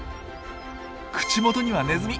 口元にはネズミ！